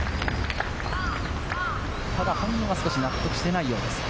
本人は少し納得していないようです。